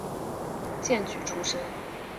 荐举出身。